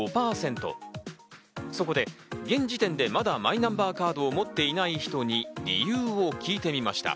そこで現時点でまだマイナンバーカードを持っていない人に理由を聞いてみました。